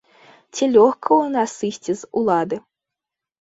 Ці лёгка ў нас сысці з улады?